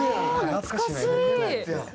懐かしい！